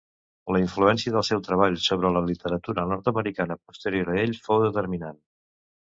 La influència del seu treball sobre la literatura nord-americana posterior a ell fou determinant.